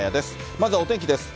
まずはお天気です。